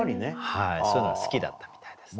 そういうのが好きだったみたいですね。